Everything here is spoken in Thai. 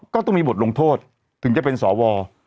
ก็ต้องมีบทลงโทษถึงจะเป็นสว